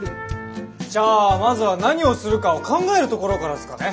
じゃあまずは何をするかを考えるところからすかね。